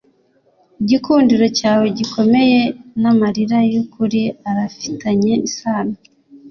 Igikundiro cyawe gikomeye namarira yukuri arafitanye isano